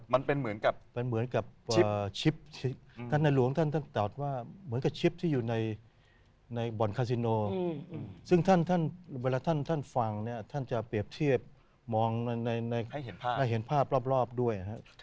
มันเหมือนกับชิปที่อยู่ในบ่อนคาซิโนซึ่งเวลาท่านฟังจะเปรียบเทียบให้เห็นภาพรอบด้วย